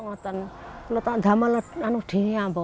untuk melakukan pekerjaan yang diberikan oleh kami